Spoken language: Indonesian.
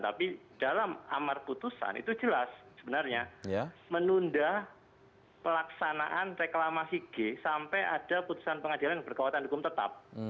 tapi dalam amar putusan itu jelas sebenarnya menunda pelaksanaan reklamasi g sampai ada putusan pengadilan yang berkekuatan hukum tetap